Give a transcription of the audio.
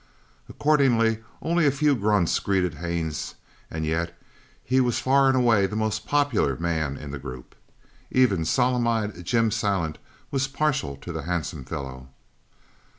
Accordingly only a few grunts greeted Haines and yet he was far and away the most popular man in the group. Even solemn eyed Jim Silent was partial to the handsome fellow.